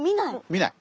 見ない。